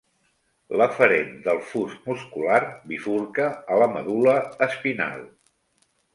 L'aferent del fus muscular bifurca a la medul·la espinal.